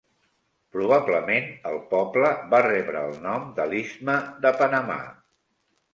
Probablement el poble va rebre el nom de l'istme de Panamà.